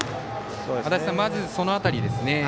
足達さん、まずその辺りですね。